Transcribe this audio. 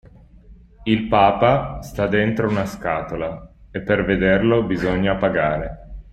Il papa sta dentro una scatola, e per vederlo bisogna pagare.